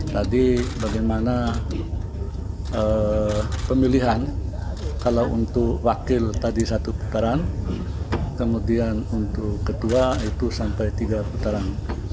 tadi bagaimana pemilihan kalau untuk wakil tadi satu putaran kemudian untuk ketua itu sampai tiga putaran